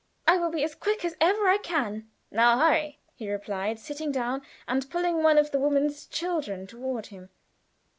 "I will be as quick as ever I can." "Now hurry," he replied, sitting down, and pulling one of the woman's children toward him.